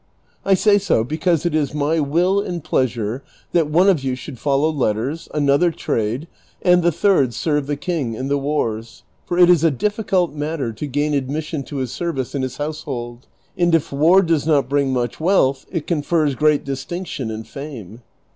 ' I say so because it is my will and pleasure that one of you should follow letters, another trade, and the third serve the king in the wars, for it is a difficult matter to gain admission to his service in liis household, and if war does not bring much wealth it confers great distinction and fame.